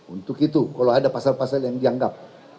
untuk itu kalau ada pasal pasal yang dianggap